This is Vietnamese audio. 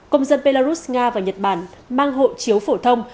công dân belarus nga và nhật bản mang hộ chiếu phổ thông